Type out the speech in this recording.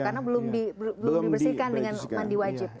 karena belum dibersihkan dengan mandi wajib